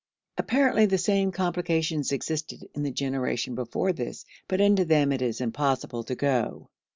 Apparently the same complications existed in the generation before this, but into them it is impossible to go.